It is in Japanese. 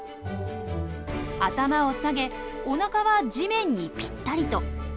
頭を下げおなかは地面にピッタリと。